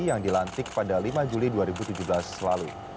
yang dilantik pada lima juli dua ribu tujuh belas lalu